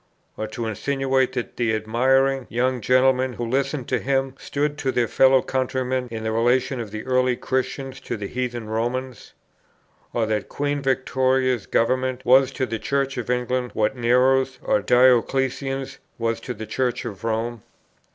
Or to insinuate that the admiring young gentlemen who listened to him stood to their fellow countrymen in the relation of the early Christians to the heathen Romans? Or that Queen Victoria's Government was to the Church of England what Nero's or Dioclesian's was to the Church of Rome?